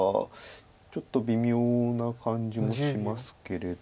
ちょっと微妙な感じもしますけれど。